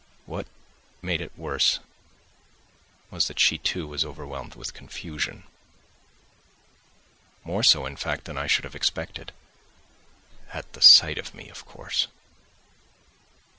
What made it worse was that she, too, was overwhelmed with confusion, more so, in fact, than I should have expected. At the sight of me, of course.